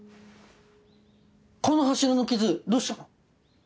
この柱のキズどうしたの？